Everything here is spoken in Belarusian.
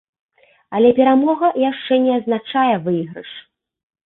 Але перамога яшчэ не азначае выйгрыш.